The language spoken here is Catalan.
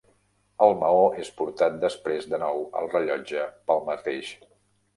El maó és portat després de nou al rellotge pel mateix.